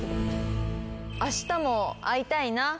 「あしたも会いたいな」